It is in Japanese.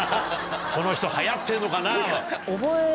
その人流行ってんのかな。